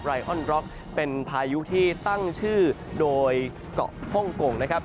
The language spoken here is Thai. รอออนร็อกเป็นพายุที่ตั้งชื่อโดยเกาะฮ่องกงนะครับ